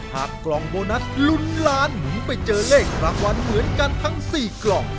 กล่องโบนัสลุ้นล้านหมุนไปเจอเลขรางวัลเหมือนกันทั้ง๔กล่อง